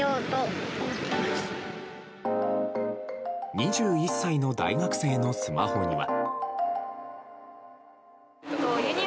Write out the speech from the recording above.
２１歳の大学生のスマホには。